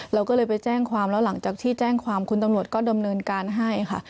เราก็เลยไปแจ้งความแล้วหลังจากที่แจ้งความคุณตำรวจก็ดำเนินการให้ค่ะ